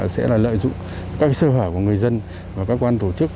sẽ là lợi dụng các sơ hở của người dân và các quan tổ chức